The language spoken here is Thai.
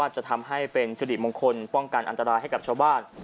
จะทำให้เป็นสิริมงคลป้องกันอันตรายให้กับชาวบ้าน